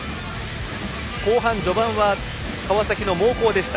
後半序盤は川崎の猛攻でした。